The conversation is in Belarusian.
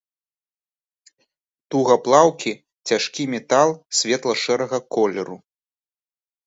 Тугаплаўкі цяжкі метал светла-шэрага колеру.